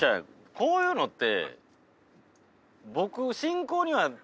こういうのって